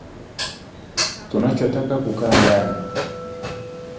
Tukachoka kukaa ndani